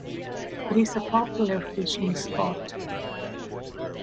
It is a popular fishing spot.